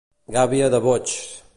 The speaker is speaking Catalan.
Gàbia de boigs.